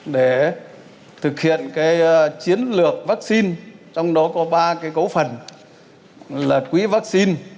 để thực hiện chiến lược vaccine trong đó có ba cấu phần là quỹ vaccine